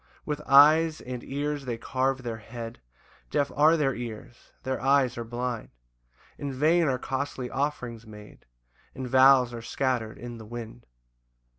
5 [With eyes, and ears they carve their head, Deaf are their ears, their eyes are blind; In vain are costly offerings made, And vows are scatter'd in the wind.